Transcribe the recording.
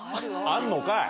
あんのかい？